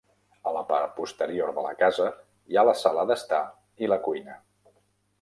A la part posterior de la casa hi ha la sala d'estar i la cuina.